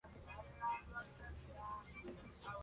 Tiene un campanario de espadaña de dos ventanales.